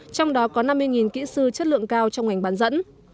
trong đó có năm mươi kỹ sư chất lượng cao trong ngành bán dẫn